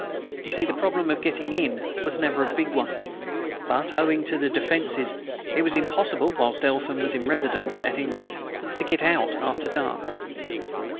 You see, the problem of getting IN was never a big one. But owing to the 'defenses' it was impossible (whilst Eltham was in residence at any rate) to get OUT after dark.